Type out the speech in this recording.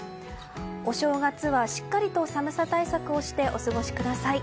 お正月はしっかりと寒さ対策をしてお過ごしください。